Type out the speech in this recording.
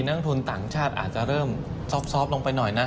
นักทุนต่างชาติอาจจะเริ่มซอบลงไปหน่อยนะ